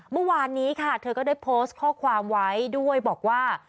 เมื่อวานนี้ค่ะเธอก็ได้โพสต์ข้อความไว้ด้วยบอกว่า